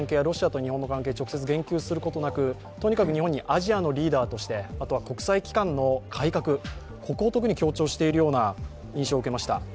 ロシアと日本の関係、直接、言及することなく、とにかく日本にアジアのリーダーとしてあとは国際機関の改革を特に強調しているような印象を受けました。